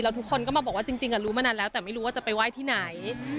ทุกคนก็มาบอกว่าจริงรู้มานานแล้วแต่ไม่รู้ว่าจะไปไหว้ที่ไหน